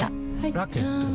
ラケットは？